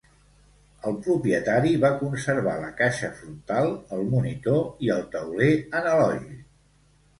El propietari va conservar la caixa frontal, el monitor i el tauler analògic.